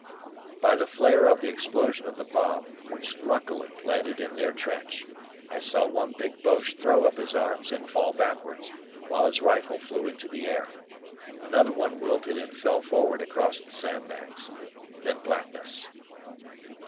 By the flare of the explosion of the bomb, which luckily landed in their trench, I saw one big Boche throw up his arms and fall backwards, while his rifle flew into the air. Another one wilted and fell forward across the sandbags then blackness.